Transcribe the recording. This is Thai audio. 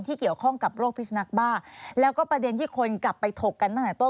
เกี่ยวข้องกับโรคพิสุนักบ้าแล้วก็ประเด็นที่คนกลับไปถกกันตั้งแต่ต้น